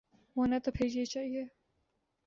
ہونا تو پھر یہ چاہیے۔